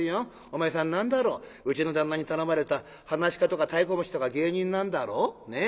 お前さん何だろうちの旦那に頼まれた噺家とか太鼓持ちとか芸人なんだろ？ね？